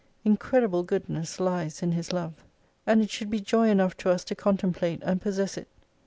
Incredible Goodness lies in His Love. And it should be joy enough to us to contemplate and possess it.